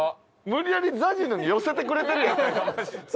無理やりＺＡＺＹのに寄せてくれてるやん。